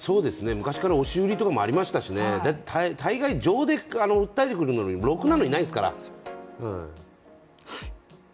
昔から押し売りとかもありましたし大概、情に訴えてくるのはろくなのいないですから。